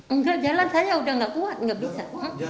enggak jalan saya udah gak kuat nggak bisa